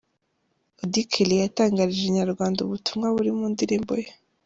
Auddy Kelly yatangarije Inyarwanda ubutumwa buri muri ndirimbo ye.